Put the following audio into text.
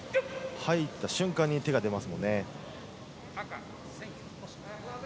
入った瞬間に手が出ますもんね。